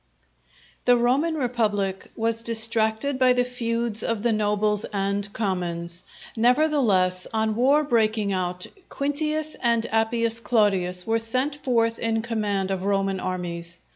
_ The Roman Republic was distracted by the feuds of the nobles and commons. Nevertheless, on war breaking out, Quintius and Appius Claudius were sent forth in command of Roman armies.